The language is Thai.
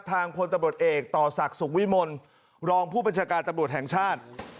พลตำรวจเอกต่อศักดิ์สุขวิมลรองผู้บัญชาการตำรวจแห่งชาติ